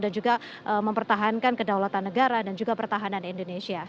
dan juga mempertahankan kedaulatan negara dan juga pertahanan indonesia